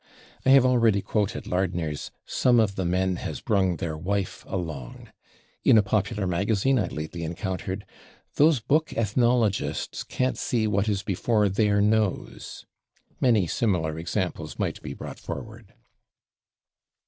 I have already quoted Lardner's "some of the men has brung their /wife/ along"; in a popular magazine I lately encountered "those book ethnologists ... can't see what is before their /nose/." Many similar examples might be brought forward.